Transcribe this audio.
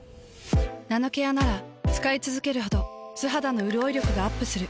ナノケアなら使いつづけるほど素肌のうるおい力がアップする。